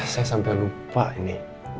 saya sampai lupa ini